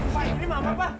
sayang ini mamah pak